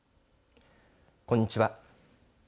こんにちは。